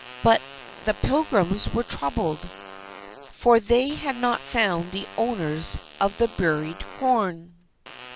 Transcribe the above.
But the Pilgrims were troubled, for they had not found the owners of the buried corn.